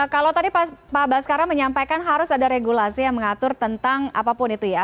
kalau tadi pak baskara menyampaikan harus ada regulasi yang mengatur tentang apapun itu ya